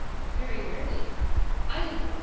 "Very rarely." "I did once.